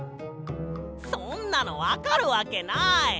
そんなのわかるわけない！